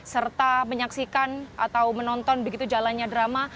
serta menyaksikan atau menonton begitu jalannya drama